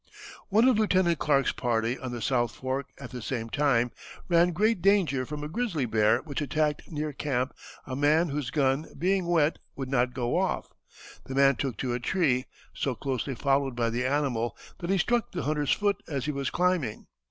One of Lieutenant Clark's party, on the south fork, at the same time, ran great danger from a grizzly bear which attacked near camp a man whose gun, being wet, would not go off. The man took to a tree, so closely followed by the animal that he struck the hunter's foot as he was climbing.